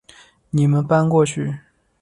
你们搬过去